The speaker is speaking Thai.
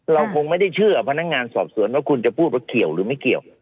เราคงไม่ได้เชื่อพนักงานสอบสวนว่าคุณจะพูดว่าเกี่ยวหรือไม่เกี่ยว